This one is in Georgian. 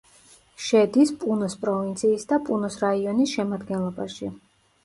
შედის პუნოს პროვინციის და პუნოს რაიონის შემადგენლობაში.